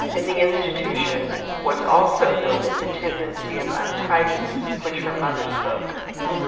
In the institution was also noted the tendency to untidiness of which her mother spoke.